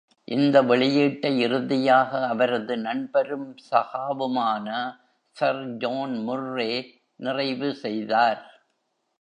இந்த வெளியீட்டை இறுதியாக அவரது நண்பரும் சகாவுமான சர் ஜான் முர்ரே நிறைவு செய்தார்.